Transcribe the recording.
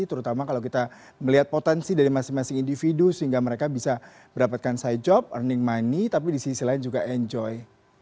terutama kalau kita melihat potensi dari masing masing individu sehingga mereka bisa mendapatkan side job earning money tapi di sisi lain juga enjoy